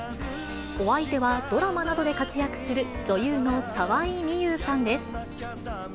お相手はドラマなどで活躍する女優の沢井美優さんです。